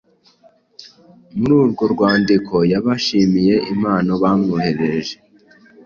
muri urwo rwandiko yabashimiye impano bamwoherereje.